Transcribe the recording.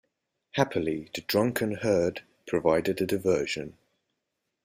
Happily the drunken herd provided a diversion.